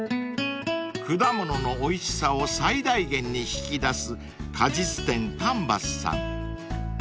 ［果物のおいしさを最大限に引き出す果実店ｃａｎｖａｓさん］